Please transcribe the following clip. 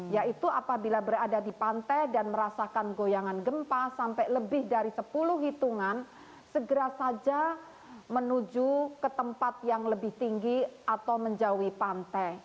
yaitu apabila berada di pantai dan merasakan goyangan gempa sampai lebih dari sepuluh hitungan segera saja menuju ke tempat yang lebih tinggi atau menjauhi pantai